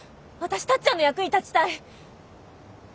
私タッちゃんの役に立ちたい。